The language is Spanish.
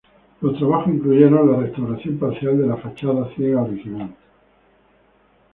Los trabajos incluyeron la restauración parcial de la fachada ciega original.